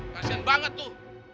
kasian banget tuh